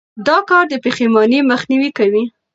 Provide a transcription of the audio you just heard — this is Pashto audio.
دا کار د پښېمانۍ مخنیوی کوي.